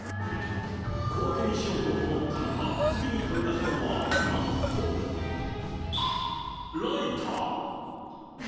小分けにしようと思ったのか、次に取りだしたのは、なんとライター。